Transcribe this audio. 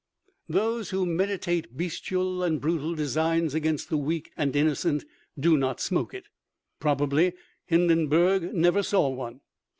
Those who meditate bestial and brutal designs against the weak and innocent do not smoke it. Probably Hindenburg never saw one.